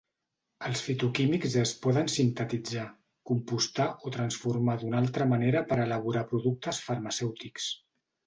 Els fitoquímics es poden sintetitzar, compostar o transformar d'una altra manera per a elaborar productes farmacèutics.